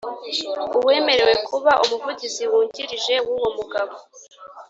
Uwemerewe kuba umuvugizi wungirije w uwo mugabo